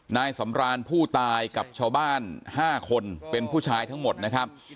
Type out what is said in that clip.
นายสำรานผู้ตายกับชาวบ้าน๕คนเป็นผู้ชายทั้งหมดนะครับ